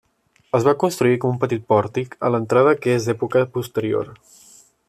Es va construir com un petit pòrtic a l'entrada que és d'època posterior.